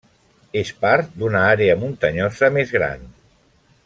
És part d'una àrea muntanyosa més gran.